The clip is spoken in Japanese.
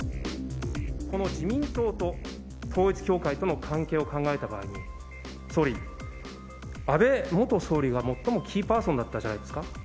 この自民党と統一教会との関係を考えた場合に、総理、安倍元総理が最もキーパーソンだったんじゃないですか。